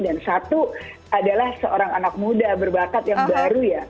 dan satu adalah seorang anak muda berbakat yang baru ya